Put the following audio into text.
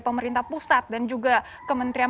pemerintah pusat dan kementerian